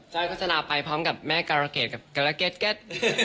้อยก็จะลาไปพร้อมกับแม่การะเกดกับการาเกรดเก็ต